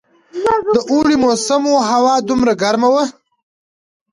د اوړي موسم وو، هوا دومره ګرمه وه.